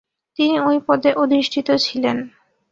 তিনি ঐ পদে অধিষ্ঠিত ছিলেন।